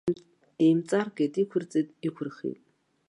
Еимҵаркит, иқәырҵеит, иқәырхит.